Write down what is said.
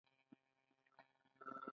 د ګوندونو شخصي ګټې ملت ویشي.